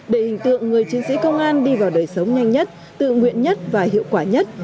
để hình tượng người chiến sĩ công an đi vào đời sống nhanh nhất tự nguyện nhất và hiệu quả nhất